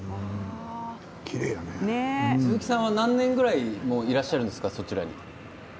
鈴木さんは何年ぐらいそちらにいらっしゃるんですか？